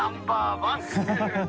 ハハハ